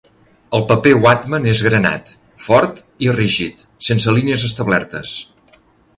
El paper Whatman és granat, fort i rígid, sense línies establertes.